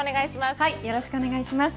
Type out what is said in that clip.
よろしくお願いします。